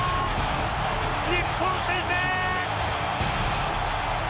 日本、先制！